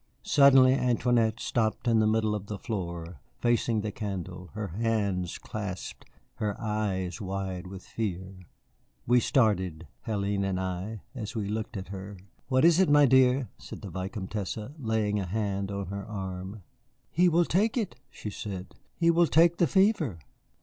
Suddenly Antoinette stopped in the middle of the floor, facing the candle, her hands clasped, her eyes wide with fear. We started, Hélène and I, as we looked at her. "What is it, my dear?" said the Vicomtesse, laying a hand on her arm. "He will take it," she said, "he will take the fever."